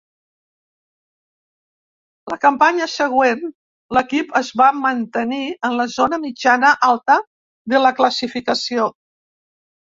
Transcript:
La campanya següent l'equip es va mantenir en la zona mitjana-alta de la classificació.